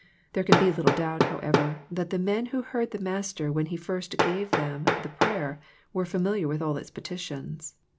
There can be little doubt, however, that the men who heard the Master when He first gave them the prayer were familiar with all its petitions.